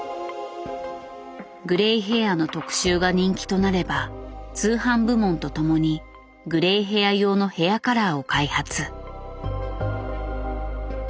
グレイヘアの特集が人気となれば通販部門と共にグレイヘア用のヘアカラーを開発。